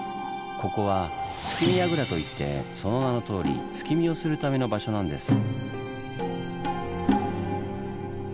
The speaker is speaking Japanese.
ここは「月見櫓」といってその名のとおり月見をするための場所なんです。